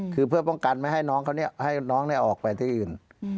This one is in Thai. คือเพื่อป้องกันไม่ให้น้องนี้ออกไปที่อื่น